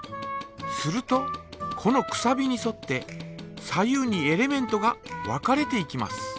するとこのくさびにそって左右にエレメントが分かれていきます。